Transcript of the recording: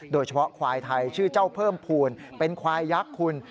โดยเฉพาะควายไทยชื่อเจ้าเพิ่มภูมิเป็นควายยักษ์คุณ